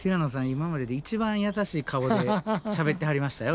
今までで一番優しい顔でしゃべってはりましたよ